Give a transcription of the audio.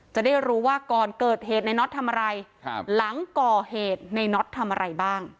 จะได้รู้ว่าก่อนเกิดเหตุในน็อตทำอะไรหลังก่อเหตุในน็อตทำอะไรบ้าง